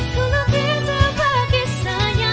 kau lukis sebuah kisah yang nyata